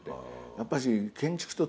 やっぱり。